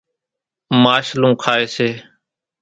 ماشلون کائيَ سي۔